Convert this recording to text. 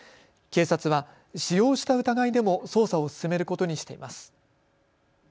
警察は使用した疑いでも捜査を進めることにしています。